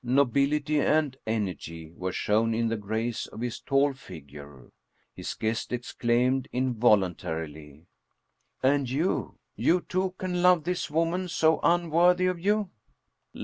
Nobil ity and energy were shown in the grace of his tall figure. His guest exclaimed involuntarily :" And you you too can love this woman, so unworthy of you